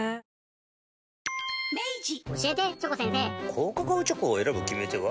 高カカオチョコを選ぶ決め手は？